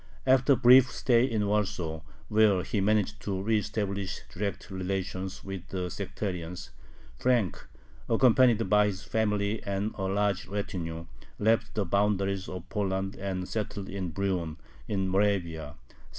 After a brief stay in Warsaw, where he managed to re establish direct relations with the sectarians, Frank, accompanied by his family and a large retinue, left the boundaries of Poland and settled in Brünn, in Moravia (1773).